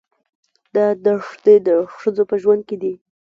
دا دښتې د ښځو په ژوند کې دي.